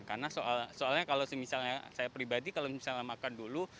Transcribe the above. karena soalnya kalau misalnya saya pribadi kalau misalnya makan dulu